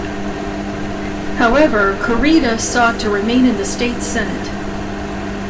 However, Kurita sought to remain in the State Senate.